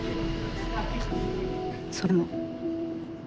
それでも。